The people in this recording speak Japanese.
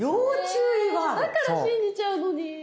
えだから信じちゃうのに。